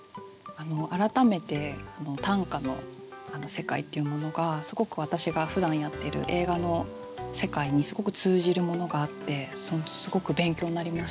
改めて短歌の世界っていうものがすごく私がふだんやってる映画の世界にすごく通じるものがあってすごく勉強になりました。